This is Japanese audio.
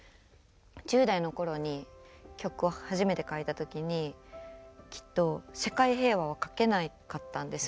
１０代の頃に曲を初めて書いた時にきっと世界平和は書けなかったんです。